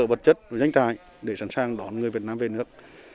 cơ sở vật chất và doanh trại để sẵn sàng đón người việt nam về nước